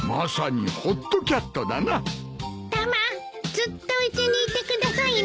ずっとうちにいてくださいね。